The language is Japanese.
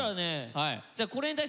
じゃあね